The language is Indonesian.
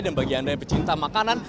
dan bagi anda yang pecinta makanan